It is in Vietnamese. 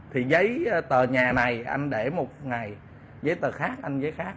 thì giấy tờ nhà này anh để một ngày giấy tờ khác anh giấy khác